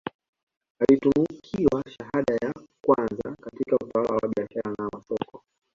Alitunukiwa shahada ya kwanza katika utawala wa biashara na masoko